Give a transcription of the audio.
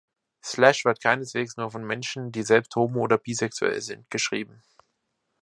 Slash wird keineswegs nur von Menschen, die selbst homo- oder bisexuell sind, geschrieben.